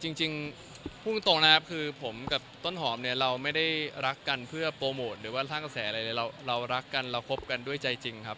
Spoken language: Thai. จริงพูดตรงนะครับคือผมกับต้นหอมเนี่ยเราไม่ได้รักกันเพื่อโปรโมทหรือว่าสร้างกระแสอะไรเลยเรารักกันเราคบกันด้วยใจจริงครับ